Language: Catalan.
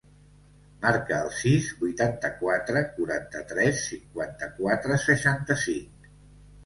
Marca el sis, vuitanta-quatre, quaranta-tres, cinquanta-quatre, seixanta-cinc.